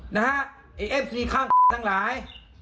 นะฮะไอ้เอฟซีข้างทั้งหลาย